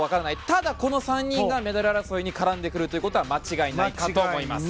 ただ、この３人がメダル争いに絡んでくるということは間違いないかなと思います。